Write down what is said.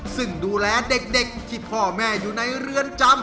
ซึ่งดูแลเด็กที่พ่อแม่อยู่ในเรือนจำ